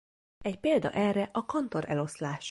Egy példa erre a Cantor-eloszlás.